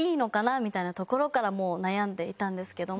みたいなところからもう悩んでいたんですけども。